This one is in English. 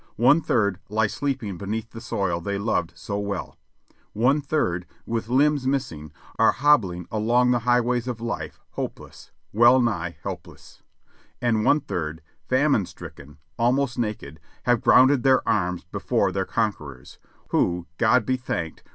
One third lie sleep ing beneath the soil they loved so well ; one third, with limbs missing, are hobbling along the highways of life hopeless, well nigh helpless; and one third, famine stricken, almost naked, have grounded their arms before their conquerors, who, God be thanked!